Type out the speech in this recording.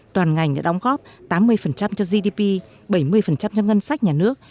toàn ngành đã đóng góp tám mươi cho gdp bảy mươi cho ngân sách nhà nước